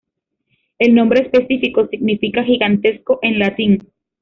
El nombre específico significa "gigantesco" en latín.